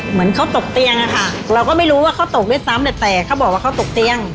เหมือนเขาตกเตียงอะค่ะเราก็ไม่รู้ว่าเขาตกด้วยซ้ำแต่เขาบอกว่าเขาตกเตียง